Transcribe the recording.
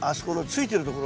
ついてるとこ？